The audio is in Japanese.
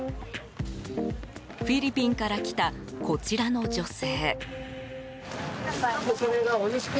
フィリピンから来たこちらの女性。